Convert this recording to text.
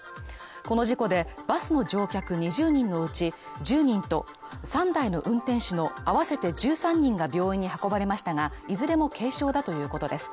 この事故でバスの乗客２０人のうち１０人と３台の運転手の合わせて１３人が病院に運ばれましたがいずれも軽傷だということです。